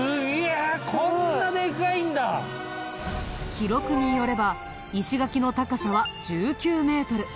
記録によれば石垣の高さは１９メートル。